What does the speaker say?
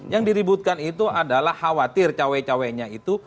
yang diributkan itu adalah khawatir cowok cowoknya itu